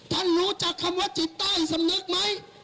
ท่านรู้จักคำว่าจิตใต้สำนึกไหม